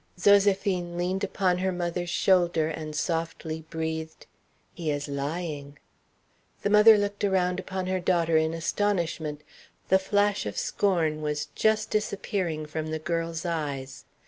Zoséphine leaned upon her mother's shoulder, and softly breathed: "He is lying." The mother looked around upon her daughter in astonishment. The flash of scorn was just disappearing from the girl's eyes.